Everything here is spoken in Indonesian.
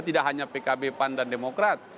tidak hanya pkb pan dan demokrat